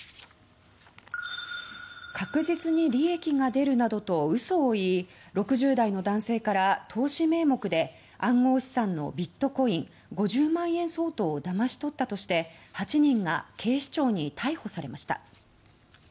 確実に利益が出るなどと嘘を言い６０代の男性から投資名目で暗号資産のビットコイン５０万円相当をだまし取ったとして８人が警視庁に逮捕されました。